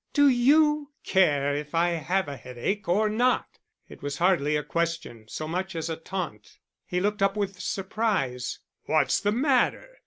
"Do you care if I have a headache or not?" It was hardly a question so much as a taunt. He looked up with surprise. "What's the matter?"